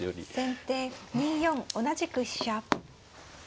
先手２四同じく飛車。